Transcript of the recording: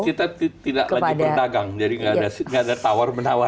kita tidak lagi berdagang jadi nggak ada tawar menawar